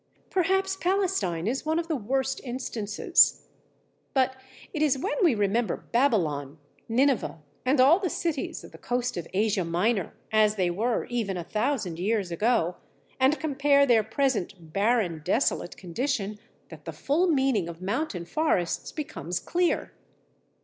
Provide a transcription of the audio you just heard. Perhaps Palestine is one of the worst instances. But it is when we remember Babylon, Nineveh, and all the cities of the coast of Asia Minor, as they were even a thousand years ago, and compare their present barren, desolate condition, that the full meaning of mountain forests becomes clear.